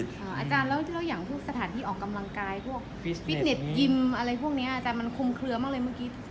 อาจารย์แล้วอย่างพวกสถานที่ออกกำลังกายพวกฟิตเน็ตยิมอะไรพวกนี้อาจารย์มันคุมเคลือมากเลยเมื่อกี้